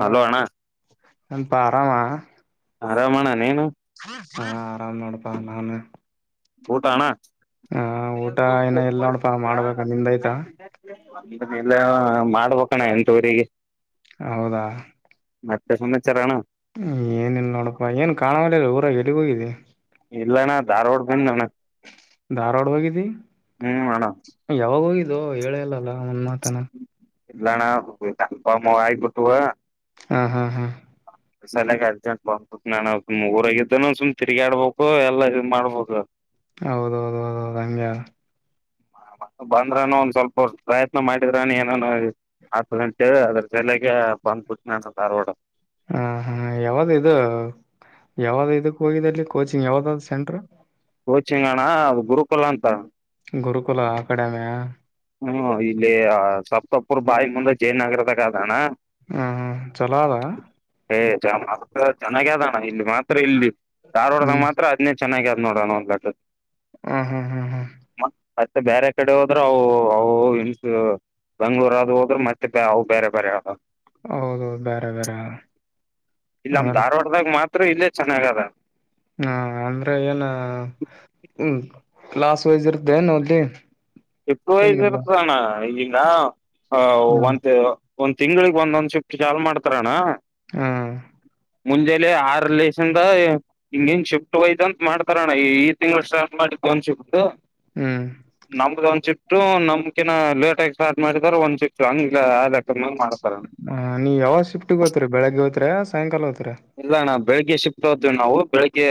Hello ಅಣ್ಣ ಏನುಪ ಆರಾಮ ಆರಾಮ ಅಣ್ಣ ನೀನು ಹಾ ಆರಾಮ ನೋಡಪ್ಪ ನಾನ. ಊಟ ಅಣ್ಣಾ ಏ ಅದು ಕೊ ಏನ ಇಲ್ ಕೋಳಿ ನೋಡಪಾ ಸುಟ್ರ ಮಾಡ್ಬೇಕ ನಿಮ್ದಯ್ತಾ [unintelligible] ಹಿನಾ ಇಲ್ಲೆಲಣ್ಣ ಮಾಡಬೇಕಣ್ಣ ಎಂಟುವರಿಗಿ. ಹೌದಾ ಮತ್ತೆ ಸುಮಿ ಏನಿಲ್ಲ ನೋಡಪ್ಪಾ ಏನ್ ಕಾಣ ವಲ್ಲ್ಯಾಗಿದೀ ಊರಾಗ ಎಲ್ಲಿಗ್ ಹೋಗಿದ್ದಿ. ಇಲ್ಲಣ ದಾರವಾಡ ಬಂದಿನಣ್ಣ. ಧಾರವಾಡ ಹೋಗಿದ್ದಿ ಹ್ಮ್ ಅಣ್ಣ ನಿ ಯಾವಾಗ ಹೋಗಿದ್ದೂ ಹೇಳೆ ಇಲ್ಲಲ್ಲ. ಒಂದ್ ಮಾತಾನ. ಇಲ್ಲಣ್ಣ ಕಾಲ್ ಫಾರ್ಮ್ ಆಗಿ ಬಿಟ್ಟವು. ಹಾ ಹಾ ಹಾ ಹ ಸಲ್ಯಾಕೆ ಅರ್ಜೆಂಟ್ ಬಂದ್ ಬುಟ್ಟಣ್ಣನ ಸುಮ್ ಊರಾಗ ಇದ್ದನು ಸುಮ್ ತಿರ್ಗಾಡ್ಬೇಕು ಎಲ್ಲಾ ಇದ ಮಾಡ್ಬಬೇಕ. ಹೌದೌದ ಹೌದೌದು ಹಂಗೆ ಆದ. ಬಾಬಾ. ಬಂದ್ರಾನ ಒಂದ್ ಸ್ವಲ್ಪ ಪ್ರಯತ್ನ ಮಾಡಿದ್ರಾನ ಏನನ ಆಗ್ತದ ಅಂತ್ ಹೇಳ್ಯ ಅದರ್ ಸಲ್ಯಾಗೆ. ಬಂದ್ ಪುಟ್ಟನ್ಯ ಸ್ವಲ್ಪ್ ದಾರವಾಡಕ್ಕ. ಹ ಹಾ ಯಾವ್ದ ಇದ ಯಾವ್ದ ಇದಕ್ ಹೋಗಿದಲ್ಲಿ ಕೋಚಿಂಗ್ ಯಾವ್ದ ಅದ ಸೆಂಟ್ರ ಕೋಚಿಂಗಣ ಅದು ಗುರುಕುಲ ಅಂತ. ಗುರುಕುಲ ಅಕಾಡೆಮಿಯ. ಹ್ಮ ಇಲ್ಲಿ ಅ ಸಪ್ತಪ್ಪುರ್ ಬಾಯಿ ಮುಂದ ಜಯನಗರದಾಗ ಅದಣ್ಣ. ಹ್ಮ್ ಹ್ಮ್ ಚಲೋ ಅದಾ. ಚ ಮಸ್ತ್ ಚೆನ್ನಾಗೆದಣ ಇಲ್ಲಿ ಮಾತ್ರ ಇಲ್ಲಿ ದಾರವಾಡದಾಗ ಹ್ಮ್ ಮಾತ್ರ ಅದ್ನೆ ಚ ಚೆನ್ನಾಗ ಅದ್ ನೋಡಣ ಒಂದ್ ಲಿಕ್ಕಕ ಹ್ಮ್ ಹ್ಮ್ ಹ್ಮ್ ಹ್ಮ್ ಮತ್ತ ಅತ್ತ ಬ್ಯಾರೆ ಕಡೆ ಹೋದ್ರ ಅವು ಅವು ಇನ್ಸ ಬೆಂಗ್ಳೂರ್ ಅದು ಹೋದುರ್ ಮತ್ತೆ ಅವು ಬ್ಯಾರೆ ಬ್ಯಾರೆ ಆತವ್ ಹೊ ಹೌದೌದು ಬ್ಯಾರೆ ಬ್ಯಾರೆ. ಇಲ್ಲ ನಮ್ ಧಾರವಾಡದಾಗ ಮಾತ್ರ ಇಲ್ಲೇ ಚೆನ್ನಾಗದ. ಹ ಅಂದ್ರೆ ಏನ್ ಹ್ಮ್ ಕ್ಲಾಸ್ ವೈಸ್ ಇರತದೆನ್ ಓನ್ಲಿ. ಶಿಫ್ಟ್ ವೈಸ್ ಇರದಣ್ಣ ಈಗಾ ಅ ಹ್ಮ್ ಒಂದ್ ಒಂದ್ ತಿಂಗಳಿಗ್ ಒಂದೊಂದ್ ಶಿಫ್ಟ್ ಚಾಲೂ ಮಾಡ್ತಾರಣ್ಣ. ಹಾ ಮುಂಜೆಲಿ ಆರ್ ಲೆಸಿಂದ ಹಿಂಗಿಂಗ್ ಶಿಫ್ಟ್ ಹೊತಂತ ಮಾಡ್ತಾರ ಅನ್ ಈ ತಿಂಗಳ ಸ್ಟಾರ್ಟ್ ಮಾಡಿದ್ ಒಂದ್ ಶಿಫ್ಟ್. ಹ್ಮ್ ಶಿಫ್ಟ್ ನಮ್ಕಿನ ಲೇಟ್ ಆಗಿ ಸ್ಟಾಟ್ ಮಾಡಿದಾರ ಒಂದ್ ಶಿಫ್ಟ್ ಹಂಗ್ ಅದ ಹ ನೀ ಯಾವಾಗ ಶಿಫ್ಟಗೆ ಹೊತ್ರಿ ಬೆಳಗ್ಗೆ ಹೊತ್ರ್ಯ ಸಾಯಂಕಾಲ ಹೊತ್ರ್ಯ. ಇಲ್ಲ ಅಣ್ಣ ಬೆಳಿಗ್ಗೆ ಶಿಷ್ಟ ಹೊತೀವಿ ನಾವು ಬೆಳಿಗ್ಗೆ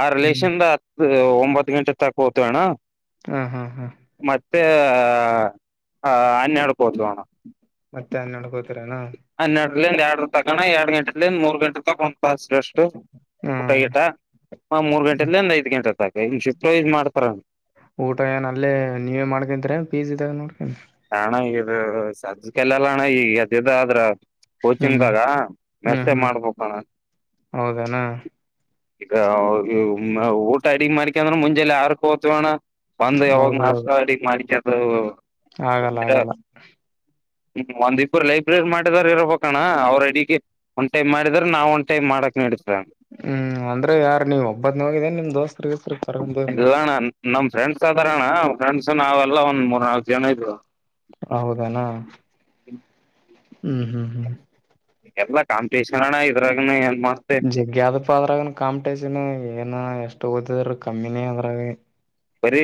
ಆರ್ ಹ್ಮ್ ಲೆಸಿಂದ ಹತ್ತ ಓ ಒಂಬತ್ತ ಘಂಟೆ ತಾಕ್ ಹೊತಿವಣ್ಣಾ. ಹಾ ಹಾ ಹಾ ಮತ್ತೆ ಅ ಹನ್ನೆರಡು. ಮತ್ತೆ ಹನ್ನೆರಡಕ್ ಹೊತಿರ್ಯ. ಹನ್ನೆರಡಲಿಂದ ಎರಡ ತಕಣ ಎರಡ ಗಂಟೆಲಿಂದ ಮೂರ್ ಗಂಟೆ ತಕೊ ಫಸ್ಟ್ ರಷ್ಟು ಊಟ ಹ್ಮ್ ಗಿಟ ಮ ಮೂರ್ ಗಂಟೆಲಿಂದ ಐದ್ ಗಂಟೆತಕ್. ಹಿಂಗ್ ಶಿಫ್ಟ್ ವಾಯ್ಸ್ ಮಾಡ್ತಾರ ಊಟ ಏನ್ ಅಲ್ಲೇ ನೀವೇ ಮಾಡ್ಕಂತಿರ ಎನ್ ಪೀಜಿದಾಗ ನೋಡ್ಕ್ಯಾಂಡ್ರಿ. ಹ ಸದ್ದಕ್ ಎಲ್ಲೆಲ್ಲಣ್ಣ ಈಗ ಎದ್ದೆದ್ದ ಆದ್ರ. ಹ್ಮ್ ಕೋಚಿಂಗ್ದಾಗ ಹ್ಮ್ ಮೆಸ್ಸೆ ಹ್ಮ್ ಮಾಡ್ಬೇಕಣ. ಹೌದೇನಾ ಇಗ ಇ ಮ ಊಟ ಅಡಿಗಿ ಮಾಡಿಕ್ಯಂದ್ರು ಮುಂಜೆಲ್ಲ ಆರ್ಕ ಹೊತಿವಣ್ಣ. ಬಂದ ಯಾವಾಗ ಹೌದೌದು ನಾಸ್ಟ್ ಅಡಿಗ ಮಾಡಿಕ್ಯಂದು. ಆಗಲ್ಲ ಆಗಲ್ಲ. ಹ್ಮ್ ಒಂದ್ ಇಬ್ಬರು ಲೈಬ್ರರಿ ಮಾಡಿದಾರ ಇರಬೇಕಣ ಅವ್ರ ಅಡಿಗೆ ಒನ ಟೈಮ್ ಮಾಡಿದ್ರ ನಾವ್ ಒಂದ್. ಟೈಮ್ ಮಾಡಕ್ ನಡೀತದ ಹ್ಮ್ ಅಂದ್ರೆ ಯಾರ್ ನೀವ್ ಒಬ್ಬನೇ ಹೋಗಿದ್ದೆ ಏನ್ ನಿಮ್ ದೋಸ್ತ್ರ ಗಿಸ್ತ್ರ. ಬ [inaudible] ಇಲ್ಲಣ್ಣ ನಮ್ ಫ್ರೆಂಡ್ಸ್ ಅದಾರಣ್ಣ ಫ್ರೆಂಡ್ಸ್ ನಾವೆಲ್ಲ ಒಂದ್ ಮೂರ್ ನಾಲ್ಕು ಜನ ಇದ್ರು. ಹೌದೇನು. ಹ್ಮ್ ಹ್ಮ್ ಹ್ಮ್. ಎಲ್ಲಾ ಕಾಂಪಿಟೇಷನ್ ಅಣ್ಣಾ ಇದ್ರಾಗ. ಜಿಗ್ಯಾದ ಅಪ್ಪ ಅದ್ರಾಗ ಕಾಂಪಿಟೇಶನ್ ಏನು ಎಷ್ಟು ಒದ್. ರ ಕಮ್ಮಿನೇ ಅದ್ರಾಗ ಬರಿ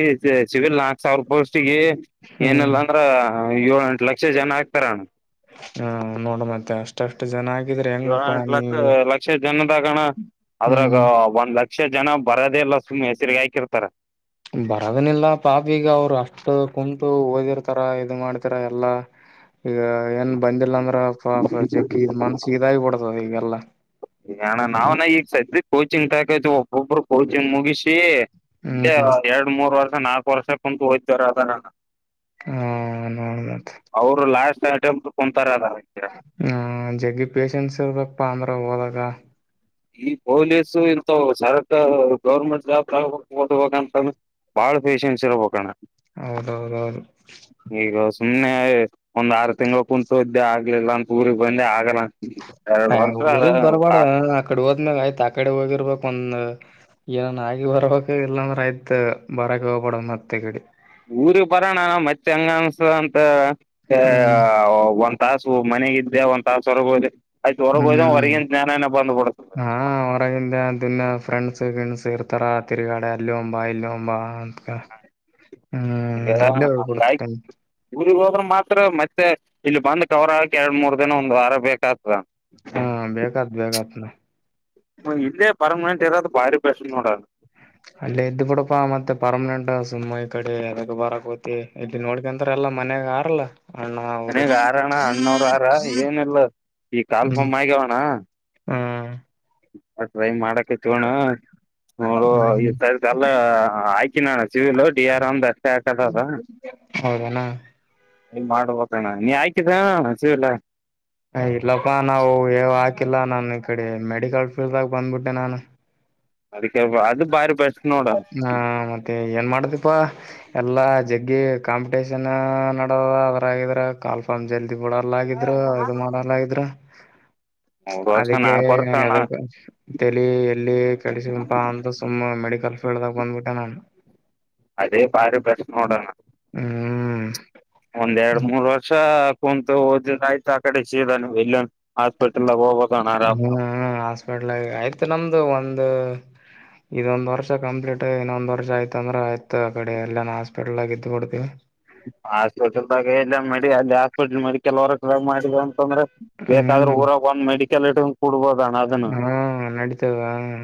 ಸಿವಿಲ್ ನಾಕ ಸಾವಿರ ರೂಪಾಯಿ ಪೋಸ್ಟಿಗಿ ಹ್ಮ್ ಏನಲ್ಲ ಅಂದ್ರ ಹ ಏಳು ಎಂಟ ಲಕ್ಷ ಜನ ಆಗ್ತಾರ ಅಣ್ಣ. ಹಾ ನೋಡ ಮತ್ತೆ ಅಷ್ಟಷ್ಟು ಜನ ಆಗ್ ಇ ಎಂಟ ಲಕ್ಷ ಲಕ್ಷ ಜನದಾಗಣ ಅದ್ರಾಗ ಹ್ಮ್ ಒಂದ್ ಲಕ್ಷ ಅಕ್ಷ ಜನ ಬರೋದ ಇಲ್ಲ ಸುಮ್ಮ್ ಹೆಸರಿಗೆ ಹಾಕಿರ್ತಾರೆ. ಬರೋದನಿಲ್ಲ ಪಾಪ ಈಗ ಅವರು ಅಷ್ಟ ಕುಂತು ಓದಿರ್ತಾರ ಇದು ಮಾಡ್ತಾರ ಎಲ್ಲಾ. ಈಗ ಏನ್ ಬಂದಿಲ್ಲ ಅಂದ್ರ ಪ ಜಗ್ಗಿ ಇದ ಮನ್ಸ ಇದಾಗಿಬಡ್ತದ ಈಗಲ್ಲಾ ಏಣ ನಾವ್ನ ಈಗ ಸದ್ದಿಗ್ ಕೋಚಿಂಗ್ ತಕೋತಿವಿ ಒಬ್ಬೊಬ್ರು ಕೋಚಿಂಗ್ ಮುಗಿಸಿ ಇದೆ ಹ್ಮ್ ಎರಡ್ ಮೂರ್ ವರ್ಷ ನಾಲ್ಕು ವರ್ಷ ಕುಂತು ಓದುತ್ತಾ ಇರೋದ್ ಅಣ್ಣಾ. ಹ್ಮ್ಮ್ ನೋಡ್ ಮತ್ತ್. ಹ [unintelligible] ಹ್ಮ ಜಗ್ಗಿ ಪೇಶೆನ್ಸ್ ಇರ್ಬೇಕಾಪ್ಪ ಅಂದ್ರ ಹೋದಾಗ. ಈ ಪೊಲೀಸು ಇಂತ ಸರಕ್ ಗೌರ್ಮೆಂಟ್ [unintelligible] ಳ ಪೇಷೆನ್ಸ ಇರಬೇಕು ಅಣ್ಣಾ. ಹೌದೌದೌದು. ಈಗ ಸುಮ್ನೆ ಒಂದ್ ಆರು ತಿಂಗಳ ಕುೂಂತು ಇದ್ದೆ ಆಗ್ಲಿಲ್ಲ ಅಂತ ಊರಿಗೆಗ್ ಬಂದೆ ಆಗಲ್ಲ. ಹಾ ಎರಡ್ ಊರಿಗ್ ವರ್ಷ ಬರಬಾರ್ದ ಆಕಡೆ. ಅಂದಗ್ ಆಯ್ತ್ ಆ ಕಡೆ ಹೋಗಿರ್ಬೇಕು ಒಂದ ಏನನ್ ಆಗಿ ಬರ್ಬೇಕ ಇಲ್ಲಾಂದ್ರ ಆಯ್ತ ಬರಕ. ಮತ್ ಇಕಡಿ. ಊರಿಗೆ ಬರೋಣ ಮತ್ತ್ ಹಂಗನುಸ್ತುದ್ ಅಂತ ಹ್ಮ್ ಒಂದ್ ತಾಸು ಮನ್. ಒಂದ್ ತಾಸ್ ಹೊರ್ಗೋಯ್ದ ಆಯ್ತು ಹೊರಗೋಯ್ದ ಹ್ಮ್ ಹೊರಗನ್ ಜ್ಞಾನನ ಬಂದ್ಬಡತದೆ. ಇದನ್ನ ಫ್ರೆಂಡ್ಸ್ ಗಿಂಡ್ಸ್ ಇರ್ತಾರ ತಿರ್ಗಾಡೆ ಅಲ್ಲಿ ಹೋಗಮ್ ಬಾ ಇಲ್ಲಿ ಹೋಗಮ್ಮ ಅಂತಕ. ಹ್ [unintelligible] ಊರಿ ಹೋದ್ರ ಮಾತ್ರ ಮತ್ತೆ ಇಲ್ಲಿ ಬಂದ ಎರಡು ಮೂರ್ ದಿನ ಒಂದುವಾರ ಬೇಕು. ಹ ಹಾ ಬೇಕಾತ್ ಬೇಕಾತ್ [inaudible] ಮ ಇಲ್ಲೇ ಪರಮನೆಂಟ್ ದು ಭಾರಿ ಫ್ಯಾಷನ್ ನೋಡೋದು. ಅಲ್ಲೇ ಎದ್ದು ಬಿಡಪಾ ಮತ್ತೆ ಪರ್ಮನೆಂಟ್ ಸುಮ್ಮ್ ಈ ಕಡೆ ಎದಕ್ ಬರಕ್ ಹೋಯಿತಿ ಇಲ್ಲಿ ನೋಡ್ಕಂತ್ರ. ಅಲ್ಲ ಮನ್ಯಾಗ ಹರಲ್ಲ. ಮನಗ್ ಆರಣ ಅಣ್ಣವ್ರ ಹರ ಏನಿಲ್ಲ ಈ ಹ್ಮ್ ಕಾಲ್ಫೊಮ್ಮ್ ಆಗವಣ್ಣ. [inaudible] ಹ್ಮ್ ಅ ಟ್ರೈ ಮಾಡಕಟಿವ್ ಅಣ್ಣಾ ನೋಡು ಹ್ಮ್ ಇ ಹ್ಮ್ ಸರ್ತಿ ಅಲ್ಲ ಐಯ್. ಸಿವಲು ಡಿ ರ್ ಮ್ ಒಂದ ಅಷ್ಟ್ ಹಾಕದ ಅದಾ. ಹೌದನಾ ಇಲ್ಲಿ ಮಾಡ ಹೋಗಣ ನೀ ಆಯ್ಕಿದ ಹಸಿವಲ್ಲಾ. ಹ ಇಲ್ಲಪ್ಪಾ ನಾವು. ಲ್ಲಾ ನಾನ ಈ ಕಡೆ ಮೆಡಿಕಲ್ ಫೀಲ್ಡ್ಗ ಬಂದ್ಬಿಟ್ಟೆ ನಾನು. ಅದಕ್ಕೆ ಅದು ಭಾರಿ ಬೆಸ್ಟ್ ನೋಡ. ಹಾ ಮತ್ತೆ ಏನ್ ಮಾಡದಿಪಾ ಎಲ್ಲಾ ಜಗ್ಗಿ ಕಾಂಪಿಟೇಷನ್ ನಡದದ ಅದರಗಿದ್ರ ಕಾಲ್ಫಾರ್ಮ್ ಜಲ್. ಇ ಬಿಡಲ್ಲಾಗಿದ್ರ ಇದು ಮಾಡಲ್ಲಿದ್ರ. ಮೂರ್ ವರ್ಷ ಅದಕ್ಕೆ ನಾಲ್ಕು ವರ್ಷ ಅಣ್ಣ ಅದಕ್ಕ ತೇಲಿ ಎಲ್ಲಿ ಕೆಡುಸ್ಕೊಳಪ್ಪ ಅಂತ ಸುಮ್ಮ ಮೆಡ್. ಫೀಲ್ಡ್ನಾಗ್ ಬಂದ್ಬಿಟ್ಟು ನಮ್ ಅದೇ ಪಾರ ಪ್ರಶ್ನೆ ನೋಡೋಣ ಹ್ಮ್ ಒಂದ್ ಎರಡ್ ಮೂರ್ ವರ್ಷ ಕುಂತು ಓದಿದ ಆಯ್ತು ಆ ಕಡೆ ಸೀದ ನೀ ಇಲ್ಲ ಹಾಸ್ಪಿಟಲ್ದಾಗ ಹೋಗ್ಬೋದಣ ಆರಾಮ್ ಹ್ಮ್ ನಾವು ಹಾಸ್ಪಿಟ್ಲ್ ಆಯ್ತು ನಮ್ದು ಒಂದು [inaudible] ಇದೊಂದ್ ವರ್ಷ ಕಂಪ್ಲೀಟ್ ಇನ್ನೊಂದ್ ವರ್ಷ ಆಯ್ತಂದ್ರ ಆಯ್ತ್ ಆ ಕಡೆ ಎಲ್ಲ ನಾ ಹಾಸ್ಪಿಟಲ್ಗ ಇದ್ದ್ ಬಿಡ್ತಿವಿ ಆಸ್ಪಿಟಲ್ದಾಗ ಎಲ್ಲ ಅಲ್ಲಿ ಹಸ್ಪಿಟಲ್ ಮಡಿಕಲ್ರ ಮಾಡ ಂದ್ರೆ ಬೇಕಾದ್ರೂ ಹ್ಮ್ ಊರಾಗ ಒಂದ್ ಮೆಡಿಕಲ್ ಇ ಕುಡ್ಬೋದಣ ಅದನ್ನು ಹಾ ನಡೀತದ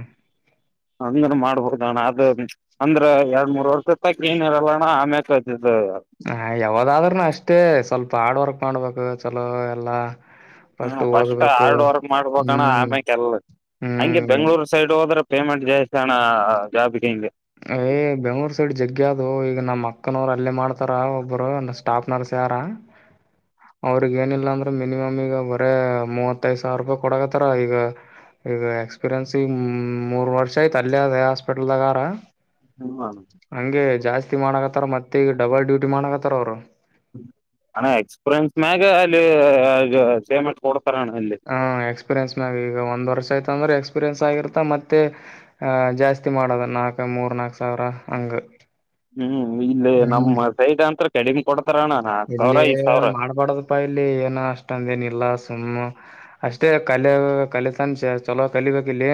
ಅಂದ್ರ ಮಾಡ್ಬೋುದ ಅಣ್ಣ ಅದು ಅಂದ್ರ ಎರಡ್ ಮೂರ್ ವರ್ಷ ತಕ ಏನ ಇರಲ್ಲ ಅಣ್ಣ ಆಮ್ಯ ಕ ಹ ಯಾವದಾದ್ರೂನು ಅಷ್ಟೇ ಸ್ವಲ್ಪ ಹಾರ್ಡ್ ವರ್ಕ್ ಮಾಡ್ಬೇಕು ಚಲೋ ಎಲ್ಲಾ ಹ್ಮ ಫಸ್ಟ್ ಹಾರ್ಡ್ ವರ್ಕ್ ಮಾಡ್ಬೇಕಣ ಹ್ಮ್ ಆಮ್ಯ ಕೆಲ್ ಹಂಗೆ ಹ್ಮ್ ಬೆಂಗ್ಳೂರ್ ಸೈಡ್ ಹೋದ್ರೆ ಪೇಮೆಂಟ್ ಜಾಸ್ ಅಣ್ಣ ಜಾಬ್ಗೆ ಇಗೆ ಏ್ ಬೆಂಗ್ಳೂರ್ ಸೈಡ್ ಜಗ್ಗೆ ಅದು ಈಗ ನಮ್ಮ ಅಕ್ಕನವರು ಅಲ್ಲೇ ಮಾಡ್ತಾರ ಒಬ್ಬರು ಸ್ಟಾಫ್ ನರ್ಸ್ ಯಾರ ಕಾರ ಅವ್ರಗ್ ಏನಿಲ್ಲ ಅಂದ್ರ ಮಿನಿಮಮ್ ಈಗ ಬರ ಮೂವತ್ತೈದ್ ಸಾವಿರ ರೂಪಾಯಿ ಕೊಡಕತ್ತಾರ ಈಗ ಈಗ ಎಕ್ಸ್ಪೀರಿಯೆನ್ಸ್ ಈಗ ಮೂರ್ ವರ್ಷ ಆಯತ ಅಲ್ಲ ಅದ ಹಾಸ್ಪಿಟಲ್ದಾಗಾರ ಹ್ಮ ಅಣ್ಣ ಹಂಗೆ ಜಾಸ್ತಿ ಮಾಡಕತ್ತಾರ ಮತ್ತೆ ಈಗ ಡಬಲ್ ಡ್ಯೂಟಿ ಮಾಡಕತ್ತಾರ ಅವರು ಹಣ್ಣ ಎಕ್ಸ್ಪೀರಿಯನ್ಸ್ ಮ್ಯಾಗ ಅಲ್ಲಿ ಸೇಮೆಂ ಕೊಡ ಣ ಅೆ ಹ ಎಕ್ಸ್ಪೀರಿಯನ್ಸ್ ಮ್ಯಾಗ ಈಗ ಒಂದ್ ವರ್ಷ ಆಯ್ತಂದ್ರೆ ಎಕ್ಸ್ಪೀರಿೆನ್ಸ್ ಆಗಿರತ್ತ ಮತ್ತೆಹ ಜಾಸ್ತಿ ಮಾಡೋದ ನಾಲ್ಕ ಮೂರ್ ನಾಕು ಸಾವಿರ ಹಂಗ ಹ್ಮ್ ಇಲ್ಲಿ ಹ್ಮ್ ನಮ್ಮ ಸೈಡ್ ಅಂತತ್ರ ಕಡಿಂಗ ಕೊಡ ಇಲ್ಲಿ ಮಾಡ್ಬಾಡದಪ್ಪಾ ಇಲ್ಲಿ ಏನ ಅಷ್ಟೊಂದ ಏನ ಇಲ್ಲ ಸುಮ್ಮ್ ಅಷ್ಟೇ ಕಲೆಯ ಕಲಿತನ್ ಚಲೋ ಕಲಿಬೇಕಿಲ್ಲಿ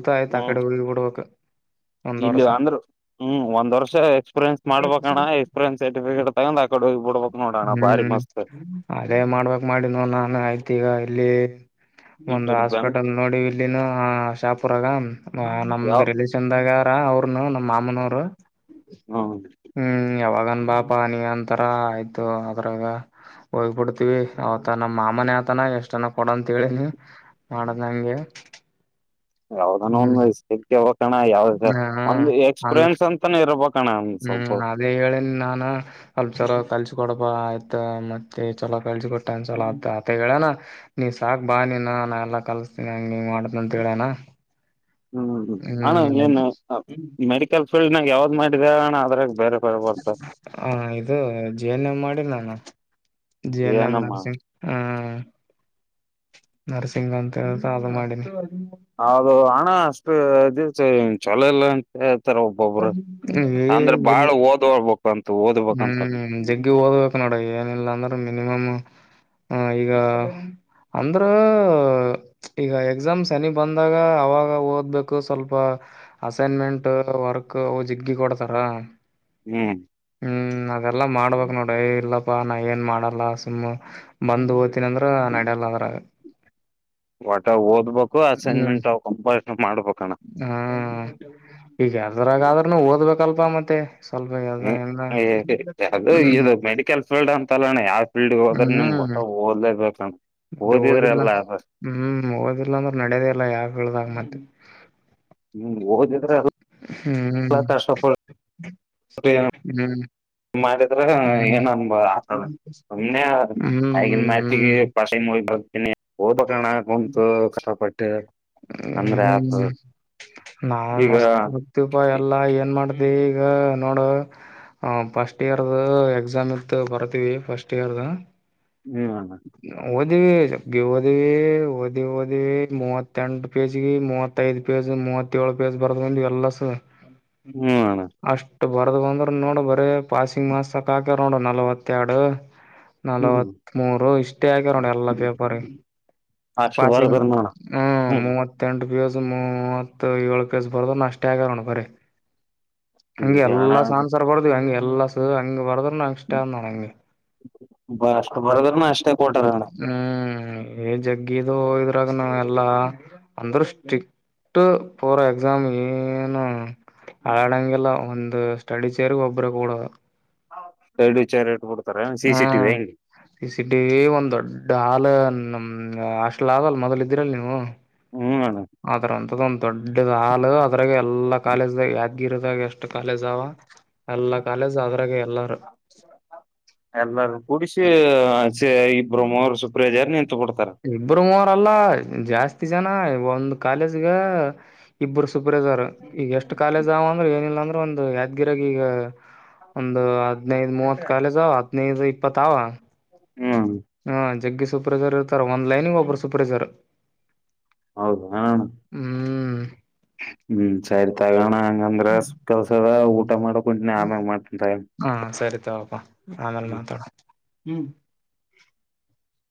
ಯ ಹ್ಮ್ ಆಕಡೊಡುವಬೇಕ [inaudible] ಇಲ್ಲಿ ಅಂದ್ರೆ ಹ್ಮ್ ಒಂದ ವರ್ಷ ಎಕ್ಸ್ಪೀರಿಯನ್ಸ್ ಮಾಡಬೇಕಣ್ಣ ಎಕ್ಸ್ಪೀರಿಯನ್ಸ್ ಸರ್ಟಿಫಿಕೇಟ್ ತಗೊಂಡ್ ಆಕ ಹ್ಮ್ ಅದೇ ಮಾಡ್ಬೇಕಕ್ ಮಾಡಿನ ನಾನು ಆಯ್ತು ಈಗ ಇಲ್ಲಿ ಈ ಒಂದು್ ಕಡೆ ಬ್ಯಾಂಕ್ ಹಾಸ್ಪಿಟಲ್ ನೋಡ್ ಇಲ್ಲಿನ ಶಾಪುರಾಗ ಯಾವ ನಮ್ದ ರಿಲಷನ್ದಾಗ ಅವ್ರನು ನಮ್ಮ ಮಾಮನವರು ಹ್ಮ್ ಹ್ಮ್ ಯಾವಾಗನ್ ಬಾಪ ನೀ ಅಂತ ಆಯ್ತು ಅದ್ರಾಗ ಹೋಗ್ಬಿಡ್ತೀವಿ ಅವತ ನಮ್ಮ್ ಮಾಮನ ಆತನ ಎಷ್ಟ್ ಜನ ಕೊಡಂತ ಹೇಳ ಹೇಳಿ ಮಾಡದ್ ನಂಗೆ ಯಾವ್ದಾನ ಒಂದು್ಟೇಬಣ ಯಾವ್ದ ಹಾ ಒಂದ ಅಂದ್ರ ಎಕ್ಸ್ಪೀರಿಯನ್ಸ್ ಅಂತಾನ ಇರ್ಬ ಹ್ಮ್ ಅದೇ ಹೇಳೇ ನಾನ ಅಲ್ಪಸರ ಕಲ್ಸ ಕೊಡಬಾ ಆಯ್ತ ಮತ್ತೆ ಚಲೋ ಕಳ್ಸ ಕೊೊಟ್ಟ ಅನ್ಸಲ ಅ ಆತ ಹೇಳಣ ನೀ ಸಾಕಕ್ ಬಾ ನಿ ಹಾ ನಾ ಎಲ್ಲಾ ಕಲ್ಸ್ತೀನಿ ಹಂಗ್ ನೀ ಮಾಡತ ಅಂತ ಹೇಳನಾ ಹ್ಮ್ ಹಣ ನೀಏನ್ ಮೆಡಿಕಲ್ ಫೀಲ್ಡ್ನಾಗ ಯಾವ್ದ್ ಮಾಡಿದ ಅಣ ಅದ್ರಾಗ ಬೇರೆ ಬೇರೆ ಬರ್ತ ಹ ಇದು ಜಿ ಎನ್ ಎ ಮಾಡಿ ನಾನು ಜಿ ಎನ್ ಎಮ ಏನಮ್ಮ ನರಸಿಂಗ್ ಹ್ಮ್ ನರಸಿಂಗ ಅಂತ ಹೇಳಸ ಅದು ಮಾಡಿನಿ ಹೌದು ಹಣ ಅಷ್ಟೇ ಚಲೋ ಇಲ್ಲ ಹೇಳ್ತಾರೆ ಒಬ್ಬೊಬ್ರು ಏ ಅಂದ್ರೆ ಇಲ್ ಬಾಳ್ ಓದ್ಬ ಹ್ಮ್ ಜಿಗ್ಗಿ ಓದ್ಬೇಕು ನೋಡಿ ಏನಿಲ್ಲ ಅಂದ್ರೆ ಮಿನಿಮಮ್ ಹ ಈಗ ಅಂದ್ರ ಈಗ ಎಕ್ಸಾಮ್ ಶನಿ ಬಂದಾಗ ಅವಾಗ ಓದ್ಬೇಕು ಸ್ವಲ್ಪ ಅಸೈನ್ಮೆಂಟ್ ವರ್ಕ್ ಜಿಗ್ಗಿ ಕೊಡ್ತಾರ ಹ್ಮ್ ಹ್ಮ್ ಅದೆಲ್ಲಾ ಮಾಡ್ಬೇಕೇಕ್ ನೋಡ್ರಿ ಇಲ್ಲಪ್ಪಾ ನಾ ಏನ್ ಮಾಡಲ್ಲ ಸುಮ್ಮ್ ಬಂದ್ ನಂದ್ರ ನಡ್ಯಲ್ಲ ಅದ್ರ ಒಟ ಓದ್ಬೇಕು ಅಸೈನ್ಮೆಂಟ್ ಅವ ಕಂಪ ಮಾಡ್ಬೇಕಣ್ಣ ಹ ಈಗ ಯದರಾಗಾದ್ನು ಓದ್ಬೇಕಲ್ಪಾ ಮತ್ತೆ ಸ್ವಲ್ಪ ಎಲ್ಲ [unintelligible] ಹೆಂಗ ಅದು ಹ್ಮ್ ಇದು ಮೆಡಿಕಲ್ ಫೀಲ್ಡ್ ಅಂತಲ್ಲಣ ಯಾವ ಫೀಲ್ಡ್ ಹೋದ್ರೆ ನೀನ್ ಓಟ್ಟ ಹ್ಮ್ [unintelligible] ಓದಲೇಬೇಕು [unintelligible] ಮತ್ತೆ ಓದಿಲ್ಲ ಹ್ಮ್ ಓದಿಲ್ಲ ಅಂದ್ರೆ ನಡದೇ ಇಲ್ಲ ಯಾಗ ಹೇಳ್ದಾಗ ಮತ್ತೆ [unintelligible] ಹ್ಮ ಓದಿದ್ರೆ ಅದು [unintelligible] ಹ್ಮ್ [unintelligible] ಹ್ಮ್ ಮಾಡಿದ್ರ ಹ್ಮ್ ಏನ್ ಅನ್ಬ ಆತಳ [unintelligible] ಅನ್ನೆ ಹ್ಮ್ ಅಐಗ ಮಾತಿ ಹ್ಮ್ ಪಸೆಯ ಮ [unintelligible] ಇ ಹಓಬ ಕಣ ಕುಂತು ಕಷ್ಟಪಟ್ಟು ಅಂದ್ರೆ ಆಪ್ [unintelligible] ನಾನ್ ಮಸ್ತ್ ಹರ್ತಿಪಾ [unintelligible] ಎಲ್ಲಾ ಏನ್ ಮಾಡ್ದ ಈಗ ನೋಡ ಹ ಫಸ್ಟ್ ಇಯರ್ದ ಎಕ್ಸಾಮ್ ಇತ್ ಬರ್ತಿೀವಿ ಫಸ್ಟ್ ಇಯರ್ದ ಹ್ಮ [unintelligible] [unintelligible] ಓದಿ ಓದಿ ಓದಿ ಮೂವತ್ತೆಂಟು ಪೇಜ್ ಮೂವತ್ತ ಐದು ಪೇಜ್ ಮೂವತ್ತ ಏಳು [unintelligible] ಬರ್ದ ಬಂದ ಎಲ್ಲ [unintelligible] ಹ್ಮ್ ಅಣ್ಣ ಅಷ್ಟ ಬರ್ದ ಬಂದ್ರ [unintelligible] ನೋಡು ಬರ ಪಾಸಿಂಗ್ ಮಾಸ್ಕ್ ಹಾಕ ನೋಡ ನಲವತ್ತ ಎರಡು ಹ್ಮ್ ನಲವತ್ ಮೂರು ಇಷ್ಟೇ ಆಕ್ಯಾರ ನೋಡಿ ಎಲ್ಲಾ ಪೇಪರ್ ಅಷ್ಟು ಪಾಸಿಂಗ್ ಬರ್ದ್ರ ನೋಣ ಹ್ಮ್ ಮೂವತ್ತೆಂಟು [unintelligible] [unintelligible] ಪ್ಯೂಸ್ ಮೂವತ್ ಏಳು ಪ್ಯೂಸ್ ಬರ್ದ ಅಷ್ಟೇ ಆಗಾರೋಣ ಬರಿೀ ಹಂಗಗೆ ಈಗ ಹಣ ಎಲ್ಲಾ ಸನ್ರ್ ಬರ್ದ್ವಿ ಹಂಗಗೆ ಎಲ್ಲ ಸ ಹಂಗ್ ಬರ್ದ [unintelligible] ಷ್ಟಣಗೆಗೆ [inaudible] [unintelligible] ಅಷ್ಟೇ ಕೊಟಾರಣ್ಣ [unintelligible] ಜಗ್ಗಿದು ಇದ್ರಾಗನ ಎಲ್ಲಾ ಅಂದೃಷ್ಟಿ [unintelligible] ಬಿಟ್ಟ ಪರ ಎಕ್ಸಾಮ್ ಏನು ಹಳಡಂಗಗೆಲ್ಲ ಒಂದು ಸ್ಟಡಿ ಸರ್ಗ ಒಬ್ಬ್ರ ಕೂಡ [unintelligible] ಎಡು ವಿಚಾರ ಎಡು [unintelligible] ಹ್ಮ ಸಿಟಿ ಒಂದ್ ದೊಡ್ಡ ಹಾಲ [unintelligible] ನಮ್ ಅಷ್ಟಲ್ ಆದ [unintelligible] ಲ್ ಮೊದಲ್ ಇದ್ದಿರಲ್ಲ ನೀವು ಹ್ಮ್ ಅಣ್ಣ ಅದ್ರಂಂತದ್ದ ಒಂದ್ ದೊಡ್ಡದ್ ಹಾಲು ಅದ್ರಾಗ ಎಲ್ಲಾ ಕಾಲೇಜ್ದಾಗ [unintelligible] ಗಿರದಾಗ ಎಷ್ಟು ಕಾಲೇಜ್ ಅವ ಎಲ್ಲಾ ಕಾಲೇಜ್ ಅದ್ರಾಗ ಎಲ್ಲಾರೂ [inaudible] ಎಲ್ಲರೂ ಕೂಡಿಸಿ [unintelligible] ಇ ಬ್ರ್ಮರು ಸುಪ್ರಿಯಜಾರ್ ನಿಂತು ಕೊಡ್ತಾರ ಇಬ್ಬರು ಮೂವರಲ್ಲ ಜಾಸ್ತಿ ಜನ ಒಂದ್ ಕಾಲೇಜ್ಗ ಇಬ್ಬರು ಸುಪ್ರಜಾರ್ ಈಗ ಎಷ್ಟು ಕಾಲೇಜ್ವ ಅಂದ್ರೆ ಏನಿಲ್ಲ ಅಂದ್ರೆ ಒಂದು ಯಾದ್ಗಿರಾಗ ಈಗ ಒಂದು ಹದ್ನೈದ ಮೂವತ್ ಕಾಲೇಜ ಹದಿನೈದು ಇಪ್ಪತ್ವ ಹ್ಮ್ ಹ ಜಗ್ಗೀ ಸೂಪ್ರೈಸರ್ ಇರ್ತಾರ ಒಂದ್ ಲೈನ್ಗೆ ಒಬ್ಬರು ಸೂಪ್ರೈಸರ್ ಹೌದು ಅ ಹ್ಮ್ ಚರಿತಗಣ [unintelligible] ಹಂದ್ರ ಕೆಲ್ಸದ ಊಟ ಮಾಡಕಂ ಆಮೇ ಮಾಡ್ತನ್ [unintelligible] ಹಾ [unintelligible] ಆಮೇಲೆ ಮಾತಡು ಹು [unintelligible]